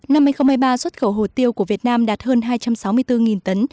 năm hai nghìn một mươi ba xuất khẩu hồ tiêu của việt nam đạt hơn hai trăm sáu mươi bốn tấn